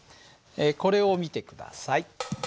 これを見て下さい。